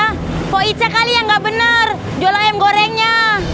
mbok ica kali yang gak benar jual ayam gorengnya